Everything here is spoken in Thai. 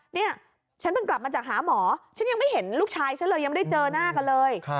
เนี่ยฉันเพิ่งกลับมาจากหาหมอฉันยังไม่เห็นลูกชายฉันเลยยังไม่ได้เจอหน้ากันเลย